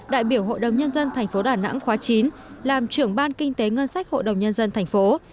đại biểu hội đồng nhân dân tp đà nẵng khóa chín làm trưởng ban kinh tế ngân sách hội đồng nhân dân thành phố